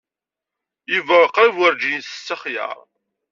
Yuba qrib werǧin isett axyar.